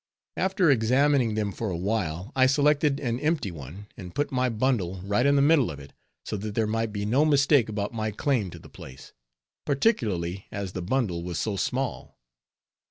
After examining them for a while, I selected an empty one, and put my bundle right in the middle of it, so that there might be no mistake about my claim to the place, particularly as the bundle was so small.